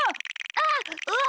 あっうわっ！